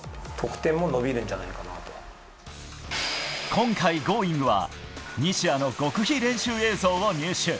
今回、「Ｇｏｉｎｇ！」は西矢の極秘練習映像を入手。